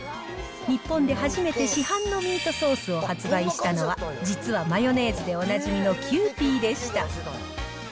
日本で初めて市販のミートソースを発売したのは、実はマヨネーズでおなじみのキユーピーでした。